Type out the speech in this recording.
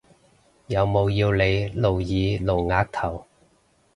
有冇要你露耳露額頭？